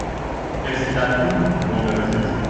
Est-ce là tout ? demanda le juge.